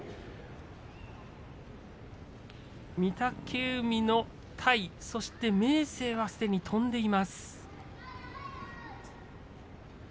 御嶽海の体そして明生はすでに飛んでいます。